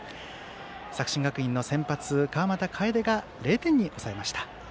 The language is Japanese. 作新学院の先発、川又楓が０点に抑えました。